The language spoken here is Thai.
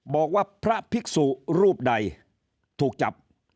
บอกว่าพระภิกษุรูปใดถูกจับ